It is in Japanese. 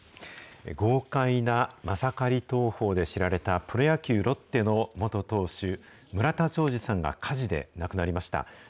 豪快なマサカリ投法で知られたプロ野球・ロッテの元投手、村田兆治さんが火事で亡くなりました。